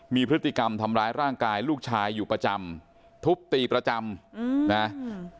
มีพฤติกรรมทำร้ายร่างกายลูกชายอยู่ประจำทุบตีประจำอืมนะอืม